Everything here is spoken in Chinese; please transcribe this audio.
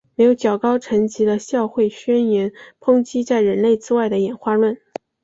没有较高层级的教会宣言抨击在人类之外的演化论。